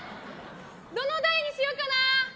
どの台にしよかな。